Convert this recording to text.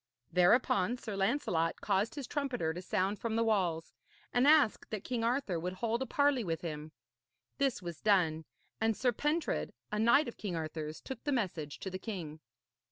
Thereupon Sir Lancelot caused his trumpeter to sound from the walls, and ask that King Arthur would hold a parley with him. This was done, and Sir Pentred, a knight of King Arthur's, took the message to the king.